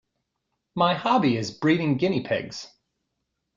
My hobby is breeding guinea pigs